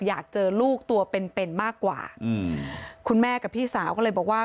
อยากเจอลูกตัวเป็นเป็นมากกว่าอืมคุณแม่กับพี่สาวก็เลยบอกว่า